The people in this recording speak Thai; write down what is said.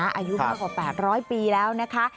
อายุมากกว่า๘๐๐ปีแล้วนะคะ